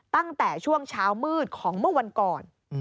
ตั้งแต่ช่วงเช้ามืดของเมื่อวันก่อน